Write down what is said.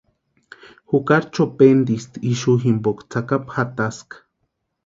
Jukari chopentisti ixu jimpoka tsakapu jataska.